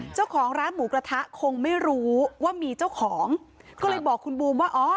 เจ้าของร้านหมูกระทะคงไม่รู้ว่ามีเจ้าของก็เลยบอกคุณบูมว่าอ๋อ